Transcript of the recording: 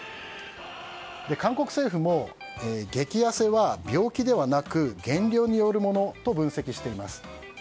韓国政府も、激痩せは病気ではなく減量によるものと分析しています。